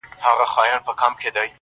یو ډارونکی، ورانونکی شی خو هم نه دی.